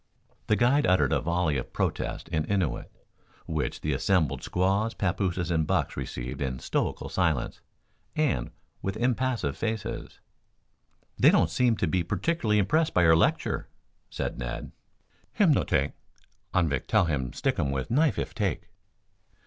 The guide uttered a volley of protest in Innuit, which the assembled squaws, papooses and bucks received in stoical silence, and with impassive faces. "They don't seem to be particularly impressed by your lecture," said Ned. "Him no take. Anvik tell um stick um with knife if take."